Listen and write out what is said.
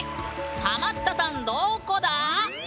ハマったさんどーこだ？